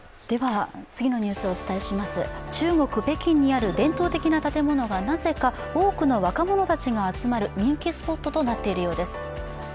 中国・北京にある伝統的な建物がなぜか、多くの若者たちが集まる人気スポットとなっているようです。